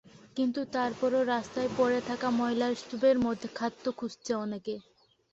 কিন্তু তার পরও রাস্তায় পড়ে থাকা ময়লার স্তূপের মধ্যে খাদ্য খুঁজছে অনেকে।